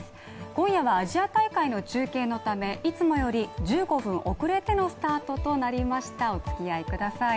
今夜はアジア大会の中継のため、いつもより１５分遅れてのスタートとなりましたおつきあいください。